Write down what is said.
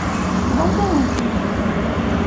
Bḍant-awen-t-id.